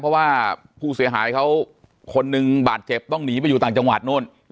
เพราะว่าผู้เสียหายเขาคนหนึ่งบาดเจ็บต้องหนีไปอยู่ต่างจังหวัดนู่น